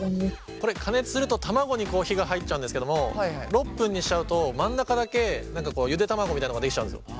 これ加熱すると卵にこう火が入っちゃうんですけども６分にしちゃうと真ん中だけ何かこうゆで卵みたいなのができちゃうんですよ。